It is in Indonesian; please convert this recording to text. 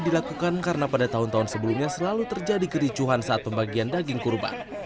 dilakukan karena pada tahun tahun sebelumnya selalu terjadi kericuhan saat pembagian daging kurban